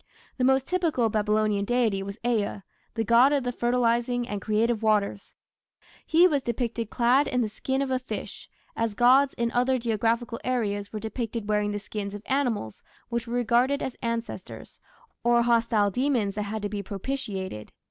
The most typical Babylonian deity was Ea, the god of the fertilizing and creative waters. He was depicted clad in the skin of a fish, as gods in other geographical areas were depicted wearing the skins of animals which were regarded as ancestors, or hostile demons that had to be propitiated.